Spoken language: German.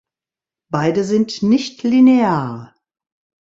Beide sind nichtlinear.